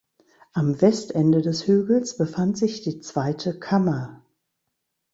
Am Westende des Hügels befand sich die zweite Kammer.